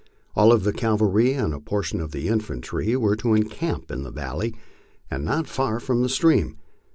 All of the cavalry and a portion of the infantry were to encamp in the valley and not far from the stream.